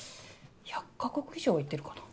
１００か国以上は行ってるかな。